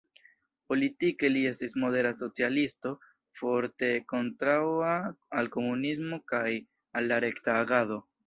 Politike li estis modera socialisto, forte kontraŭa al komunismo kaj al la rekta agado.